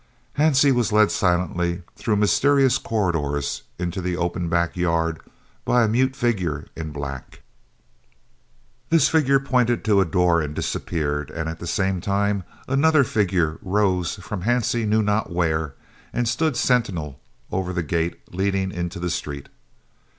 Hansie was led silently through mysterious corridors into the open back yard, by a mute figure in black. This figure pointed to a door and disappeared, and at the same time another figure rose from Hansie knew not where, and stood sentinel over the gate leading into the street.